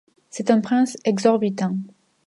C’est un prince exorbitant.